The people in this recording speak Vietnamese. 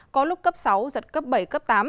có lúc cấp sáu giật cấp bảy cấp tám